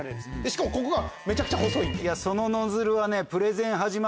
しかもここがめちゃくちゃ細い。